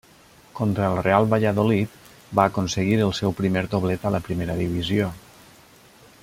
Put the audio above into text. Contra el Real Valladolid va aconseguir el seu primer doblet a la Primera Divisió.